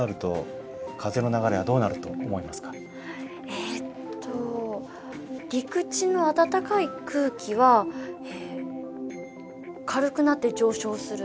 えっと陸地の暖かい空気は軽くなって上昇する。